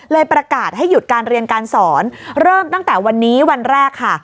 ประกาศให้หยุดการเรียนการสอนเริ่มตั้งแต่วันนี้วันแรกค่ะ